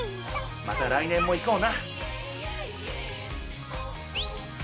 また来年も行こうな。